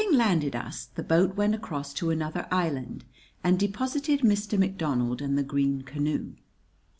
Having landed us, the boat went across to another island and deposited Mr. McDonald and the green canoe.